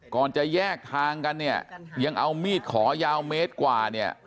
ก่อนจะแยกทางกันเนี่ยยังเอามีดขอยาวเมตรกว่าเนี่ย